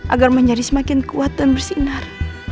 agar menjadi semakin kuat dan bersinar